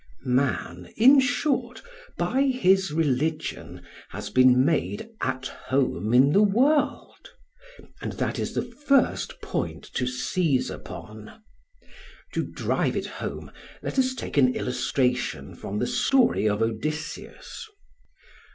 Man, in short, by his religion has been made at home in the world; and that is the first point to seize upon. To drive it home, let us take an illustration from the story of Odysseus.